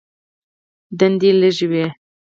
دندې لږې وې.